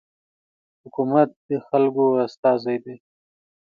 حکومت د خلکو استازی دی.